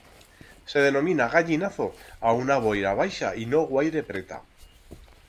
Se denomina gallinazo a una boira baixa y no guaire preta.